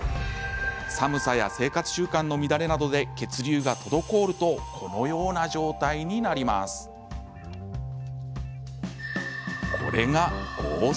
寒さや生活習慣の乱れなどで血流が滞るとこのような状態になります。